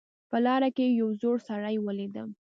په لاره کې یو زوړ سړی ولیدم